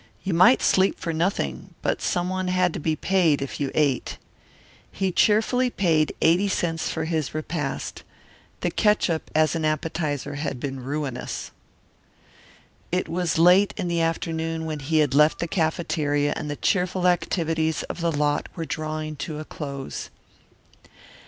You might sleep for nothing, but someone had to be paid if you ate. He cheerfully paid eighty cents for his repast. The catsup as an appetizer had been ruinous. It was late in the afternoon when he left the cafeteria and the cheerful activities of the lot were drawing to a close.